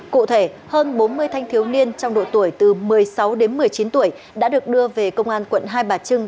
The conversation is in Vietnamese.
cụ thể hơn bốn mươi thanh thiếu niên trong độ tuổi từ một mươi sáu đến một mươi chín tuổi đã được đưa về công an quận hai bà trưng